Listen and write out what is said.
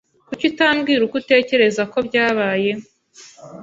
Kuki utambwira uko utekereza ko byabaye?